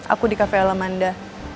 aku di cafe alamanda